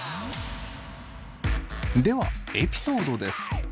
ではエピソードです。